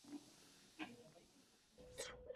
La tonalidad de la coloración varía ampliamente.